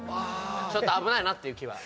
ちょっと危ないなっていう気は。